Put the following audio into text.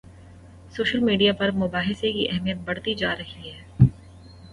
Social media پر مباحثے کی اہمیت بڑھتی جا رہی ہے۔